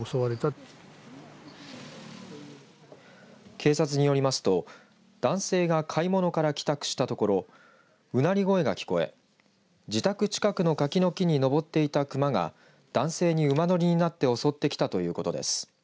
警察によりますと男性が買い物から帰宅したところうなり声が聞こえ自宅近くの柿の木に登っていた熊が男性に馬乗りになって襲ってきたということです。